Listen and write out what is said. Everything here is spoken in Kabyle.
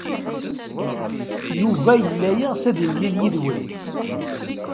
Yuba yella yeɣs ad yemlil yid-went.